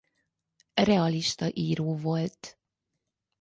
Realista író volt.